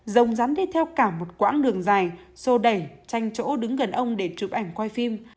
rồng rắn đi theo cả một quãng đường dài xô đẩy tranh chỗ đứng gần ông để chụp ảnh quay phim